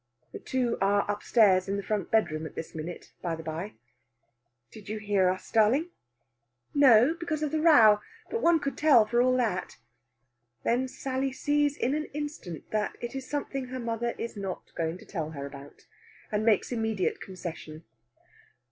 The two are upstairs in the front bedroom at this minute, by the bye. "Did you hear us, darling?" "No, because of the row. But one could tell, for all that." Then Sally sees in an instant that it is something her mother is not going to tell her about, and makes immediate concession.